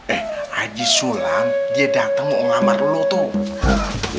eh aja sulam dia dateng mau ngamar lu tuh